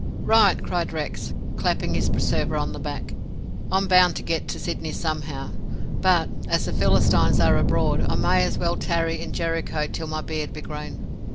"Right!" cried Rex, clapping his preserver on the back. "I'm bound to get to Sydney somehow; but, as the Philistines are abroad, I may as well tarry in Jericho till my beard be grown.